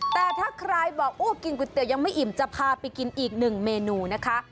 แต่ถ้าใครบอกโอ้กินก๋วยเตี๋ยังไม่อิ่มจะพาไปกินอีกหนึ่งเมนูนะคะ